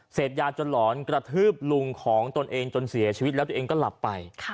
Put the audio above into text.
เสพยาจนหลอนกระทืบลุงของตนเองจนเสียชีวิตแล้วตัวเองก็หลับไป